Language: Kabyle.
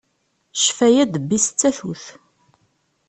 Ccfaya ddebb-is d tatut.